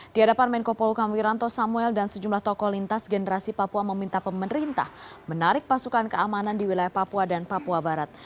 di hadapan menko polhukam wiranto samuel dan sejumlah tokoh lintas generasi papua meminta pemerintah menarik pasukan keamanan di wilayah papua dan papua barat